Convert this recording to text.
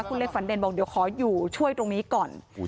คุณเล็กฝันเด่นบอกเดี๋ยวขออยู่ช่วยตรงนี้ก่อน